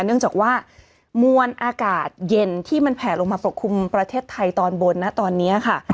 เนื่องจากว่ามวลอากาศเย็นที่มันแผลลงมาปกคลุมประเทศไทยตอนบนนะตอนนี้ค่ะ